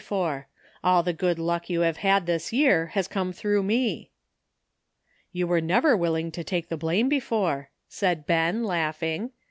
before. AH the good luck yoir have had this year has come through me." '' You were uever williug to take the blame before," said Ben, laughing.